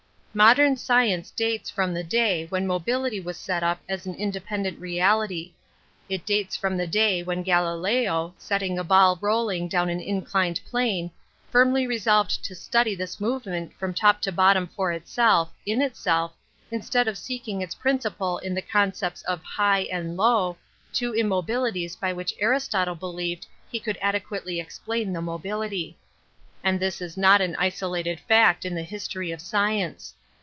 Modern science dates from the day when An Introduction to /mobility was set up as an independent I'eality. It dates from the day wUen Galileo, setting a ball rolling down an in clined plane, finnly resolved to study this movement from top to bottom for itself, in itself, instead of seeking its principle in the concepts of high and low, two im '' mobilities by which Aristotle believed he could adequately explain the mobility. And this is not an isolated fact in the history of science.